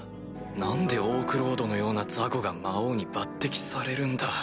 何でオークロードのような雑魚が魔王に抜てきされるんだ。